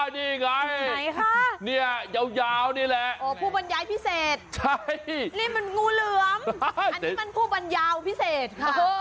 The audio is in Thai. นี่ไงคะเนี่ยยาวนี่แหละผู้บรรยายพิเศษใช่นี่มันงูเหลือมอันนี้มันผู้บรรยาวพิเศษค่ะ